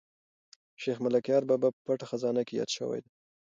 شیخ ملکیار بابا په پټه خزانه کې یاد شوی دی.